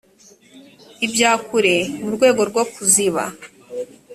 ibya kure mu rwego rwo kuziba